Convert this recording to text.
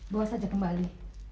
bawa saja kembali